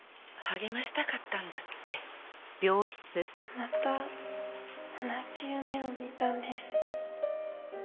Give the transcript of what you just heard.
また同じ夢を見たんです。